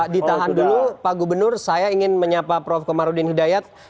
ditahan dulu pak gubernur saya ingin menyapa prof komarudin hidayat